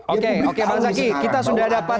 oke oke bang zaky kita sudah dapat